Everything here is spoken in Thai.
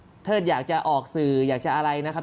ถ้าเทิดอยากจะออกสื่ออยากจะอะไรนะครับ